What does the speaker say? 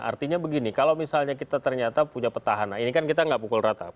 artinya begini kalau misalnya kita ternyata punya petahana ini kan kita nggak pukul rata